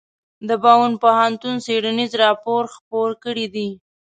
د براون پوهنتون څیړنیز راپور خپور کړی دی.